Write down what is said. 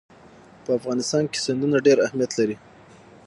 په افغانستان کې سیندونه ډېر اهمیت لري.